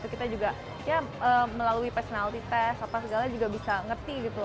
kita juga ya melalui personality test apa segala juga bisa ngerti gitu